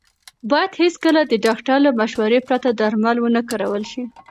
باید هېڅکله د ډاکټر له مشورې پرته درمل ونه کارول شي.